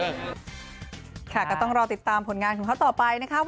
ก็ต้องรอติดตามผลงานของเขาต่อไปนะคะ